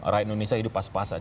rakyat indonesia hidup pas pasan